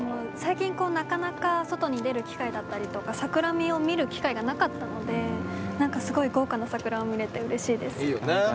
最近、なかなか外に出る機会だったりとか桜を見る機会がなかったのでなんか、すごい豪華な桜を見れてうれしいです。